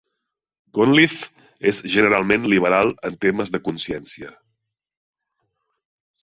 Cunliffe és generalment liberal en temes de consciència.